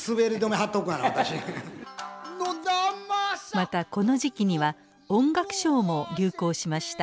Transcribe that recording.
またこの時期には音楽ショーも流行しました。